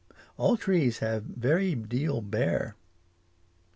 All trees have very deal bear.